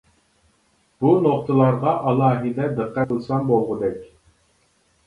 بۇ نوختىلارغا ئالاھىدە دىققەت قىلسام بولغۇدەك.